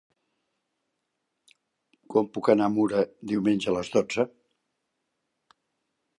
Com puc anar a Mura diumenge a les dotze?